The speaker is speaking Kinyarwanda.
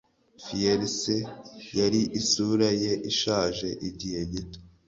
Fierce yari isura ye ishaje igihe gito